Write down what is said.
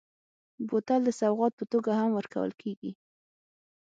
بوتل د سوغات په توګه هم ورکول کېږي.